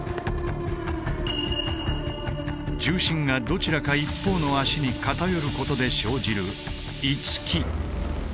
重心がどちらか一方の足に偏ることで生じる「居つき」。